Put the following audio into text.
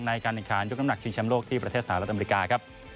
ในการในการยกน้ำหนักชิงเชียมโลกที่ประเทศสาหรัฐอเมริกาครับ